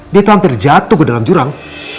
dia itu hampir jatuh ke dalam jurang